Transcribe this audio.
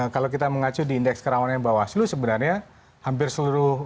kalau kita mengacu di indeks kerawanan yang bawah seluruh sebenarnya hampir seluruh